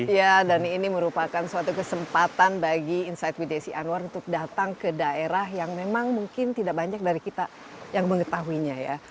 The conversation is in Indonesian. ya dan ini merupakan suatu kesempatan bagi insight with desi anwar untuk datang ke daerah yang memang mungkin tidak banyak dari kita yang mengetahuinya ya